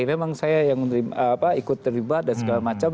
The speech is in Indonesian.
memang saya yang ikut terlibat dan segala macam